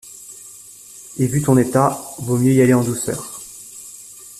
Et vu ton état, vaut mieux y aller en douceur.